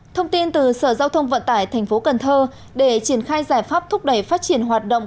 thông tin từ sở giao thông vận tải tp cn để triển khai giải pháp thúc đẩy phát triển hoạt động